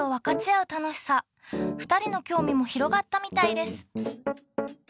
２人の興味も広がったみたいです。